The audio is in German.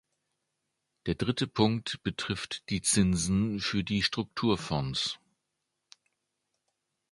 Der dritte Punkt betrifft die Zinsen für die Strukturfonds.